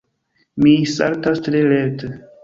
Mi saltas tre lerte.